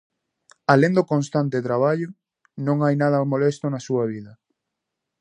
Alén do constante traballo, non hai nada molesto na súa vida.